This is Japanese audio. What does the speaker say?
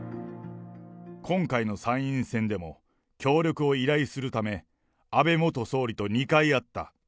今回の参院選でも、協力を依頼するため、安倍元総理と２回あった。